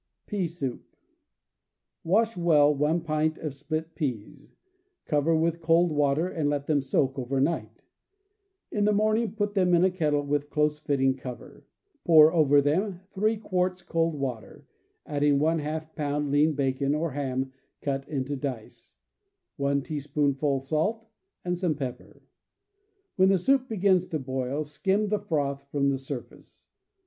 Pea Soup. — Wash well one pint of split peas, cover with cold water, and let them soak over night. In the morning put them in a kettle with close fitting cover. Pour over them 3 quarts cold water, adding ^ pound lean bacon or ham cut into dice, 1 teaspoonful salt, and some pepper. When the soup begins to boil, skim the froth from the surface.